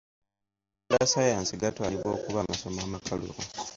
Amasomo ga ssaayansi gatwalibwa okuba amasomo amakalubu.